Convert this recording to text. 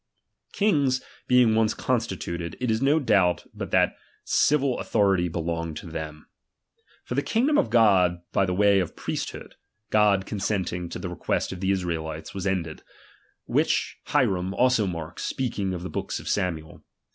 Kings being once constituted, it is no doubt c but the cicil authority belonged to them. For the ^ kingdom of God by the way of priesthood (God '"_ consenting to the request of the Israelites) was th ended; which Hierom also marks, speaking of the books of Samuel.